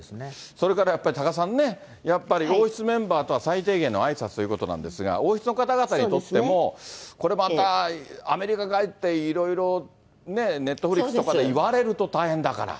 それからやっぱり、多賀さんね、やっぱり、王室メンバーとは最低限のあいさつということなんですが、王室の方々にとっても、これまた、アメリカ帰ってネットフリックスとかでいわれると大変だから。